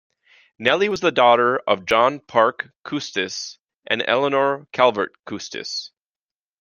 Nelly was the daughter of John Parke Custis and Eleanor Calvert Custis.